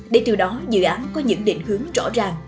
để từ đó dự án có những định hướng rõ ràng